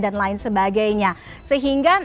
dan lain sebagainya sehingga